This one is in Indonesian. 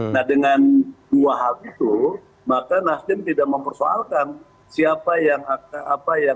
nah dengan dua hal itu maka nasdem tidak mempersoalkan siapa yang menggantikan